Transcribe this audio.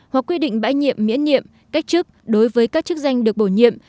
hoặc quy định bãi nhiệm miễn nhiệm cách chức đối với các chức danh được bổ nhiệm